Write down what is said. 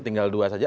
tinggal dua saja